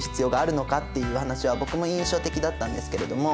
いう話は僕も印象的だったんですけれども。